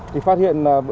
thì phát hiện là